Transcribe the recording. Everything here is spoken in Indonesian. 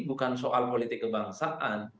bukan soal politik kebangsaan